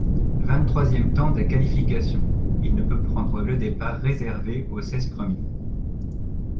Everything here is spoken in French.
Vingt-troisième temps des qualifications, il ne peut prendre le départ réservé aux seize premiers.